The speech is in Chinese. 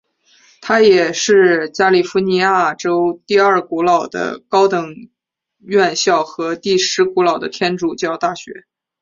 它也是加利福尼亚州第二古老的高等院校和第十古老的天主教大学。